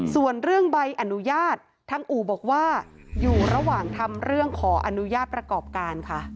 ส่วนเรื่องใบอนุญาตทางอู่บอกว่าอยู่ระหว่างทำเรื่องขออนุญาตประกอบการค่ะ